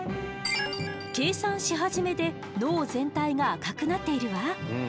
計算し始めで脳全体が赤くなっているわ。